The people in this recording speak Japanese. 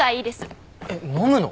えっ飲むの？